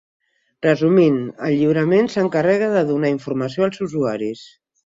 Resumint, el lliurament s'encarrega de donar informació als usuaris.